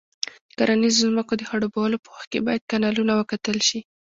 د کرنیزو ځمکو د خړوبولو په وخت کې باید کانالونه وکتل شي.